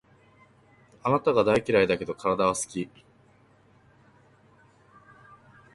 あなたが大嫌いだけど、体は好き